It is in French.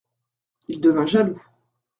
Il devint jaloux.